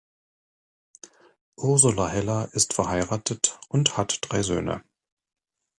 Ursula Heller ist verheiratet und hat drei Söhne.